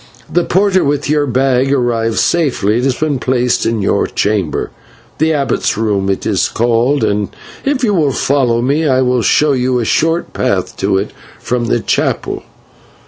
The porter with your bag arrived safely; it has been placed in your chamber, the Abbot's room it is called, and if you will follow me I will show you a short path to it from the chapel."